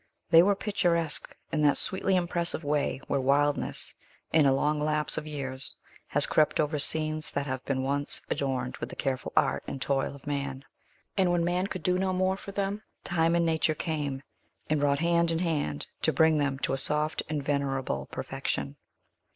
They were picturesque in that sweetly impressive way where wildness, in a long lapse of years, has crept over scenes that have been once adorned with the careful art and toil of man; and when man could do no more for them, time and nature came, and wrought hand in hand to bring them to a soft and venerable perfection.